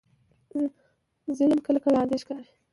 ظلم کله کله عادي ښکاري.